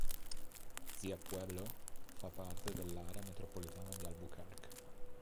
Zia Pueblo fa parte dell'area metropolitana di Albuquerque.